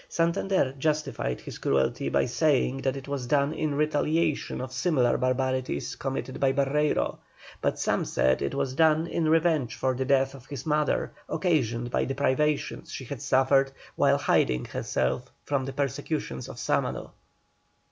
Santander justified his cruelty by saying that it was done in retaliation of similar barbarities committed by Barreiro; but some said it was done in revenge for the death of his mother, occasioned by the privations she had suffered while hiding herself from the persecutions of Sámano.